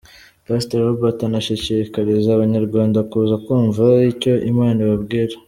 Pastor Robert arashishikariza abanyarwanda kuza kumva icyo Imana ibabwira.